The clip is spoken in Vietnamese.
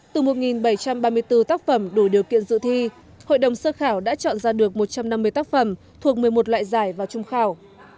từ một bảy trăm ba mươi bốn tác phẩm đủ điều kiện dự thi hội đồng sơ khảo đã chọn ra được một trăm năm mươi tác phẩm thuộc một mươi một loại giải vào trung khảo